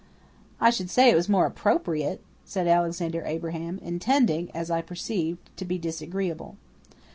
"I should say it was more appropriate," said Alexander Abraham, intending, as I perceived, to be disagreeable.